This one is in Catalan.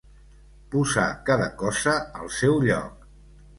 Posar cada cosa al seu lloc.